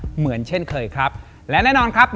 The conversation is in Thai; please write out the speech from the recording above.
เหมือนเช่นเคยครับและแน่นอนครับ